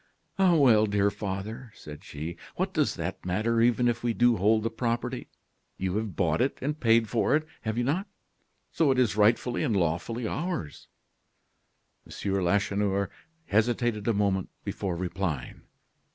"Ah, well, dear father," said she, "what does that matter, even if we do hold the property? You have bought it and paid for it, have you not? So it is rightfully and lawfully ours." M. Lacheneur hesitated a moment before replying.